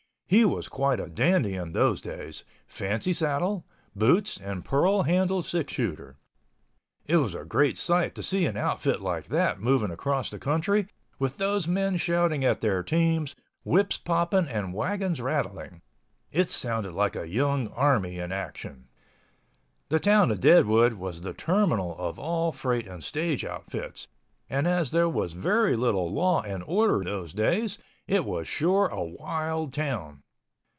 He was quite a dandy in those days—fancy saddle, boots and pearl handle six shooter. It was a great sight to see an outfit like that moving across the country; with those men shouting at their teams, whips popping and wagons rattling. It sounded like a young army in action. The town of Deadwood was the terminal of all freight and stage outfits, and as there was very little law and order those days, it was sure a wild town.